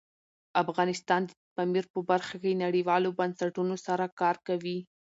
افغانستان د پامیر په برخه کې نړیوالو بنسټونو سره کار کوي.